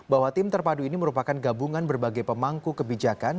bahwa tim terpadu ini merupakan gabungan berbagai pemangku kebijakan